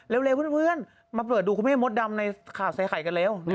เพื่อนมาเปิดดูคุณแม่มดดำในข่าวใส่ไข่กันเร็ว